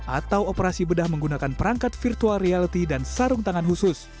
atau operasi bedah menggunakan perangkat virtual reality dan sarung tangan khusus